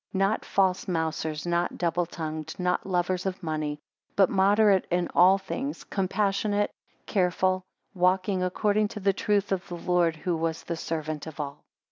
Not false mousers, not double tongued, not lovers of money; but moderate in all things; compassionate, careful; walking according to the truth of the Lord, who was the servant of all.